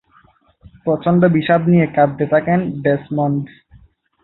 প্রচণ্ড বিষাদ নিয়ে কাঁদতে থাকেন ডেসমন্ড।